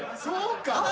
そうか。